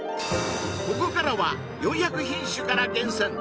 ここからは４００品種から厳選！